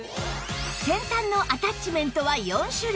先端のアタッチメントは４種類